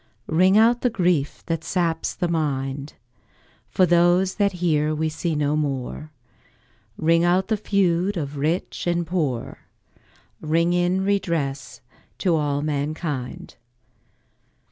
Ring out the grief that saps the mind, For those that here we see no more, Ring out the feud of rich and poor, Ring in redress to all mankind.